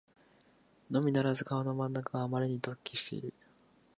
のみならず顔の真ん中があまりに突起している